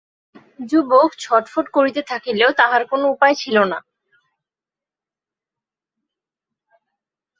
যুবক ছটফট করিতে থাকিলেও তাহার কোন উপায় ছিল না।